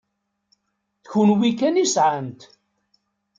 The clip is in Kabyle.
D kenwi kan i sɛant.